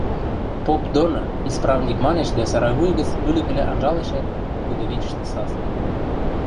– Поп доны, – исправник манеш дӓ сарайвуй гӹц ӱлӹкӹлӓ анжалешӓт, кудывичӹштӹ саслен